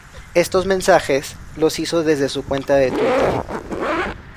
Estos mensajes los hizo desde su cuenta de twitter.